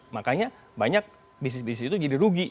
makanya banyak bisnis bisnis itu jadi rugi